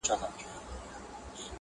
چي غوږونو ته مي شرنګ د پایل راسي٫